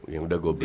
yang udah gue blok